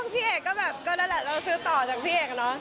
พี่เอกก็แบบก็นั่นแหละเราซื้อต่อจากพี่เอกเนอะ